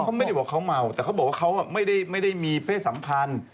เขาไม่ได้บอกเขาเมาแต่เขาบอกว่าเขาไม่ได้มีเพศสัมพันธ์